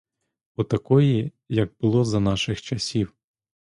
Отакої як було за наших часів.